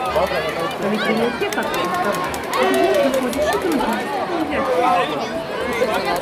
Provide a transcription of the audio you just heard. Калі прынясе каторы здаваць, дык з ім прыходзіць і другі, што ўзяць ахвотнік.